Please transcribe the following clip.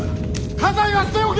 家財は捨て置け！